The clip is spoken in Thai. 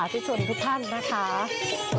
วันนี้เป็นวันดีที่เราจะน้องนำบทภาษาอันศักดิ์สิทธิ์นะฮะ